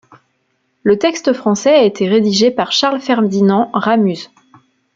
Le texte français a été rédigé par Charles-Ferdinand Ramuz.